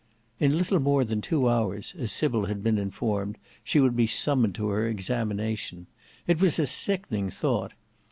In little more than two hours, as Sybil had been informed, she would be summoned to her examination. It was a sickening thought.